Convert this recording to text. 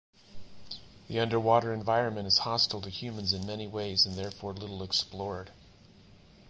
The underwater environment is hostile to humans in many ways and therefore little explored.